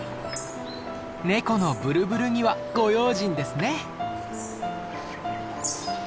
ネコのブルブルにはご用心ですね。